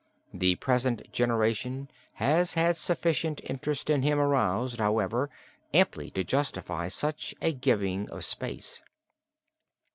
The present generation has had sufficient interest in him aroused, however, amply to justify such a giving of space.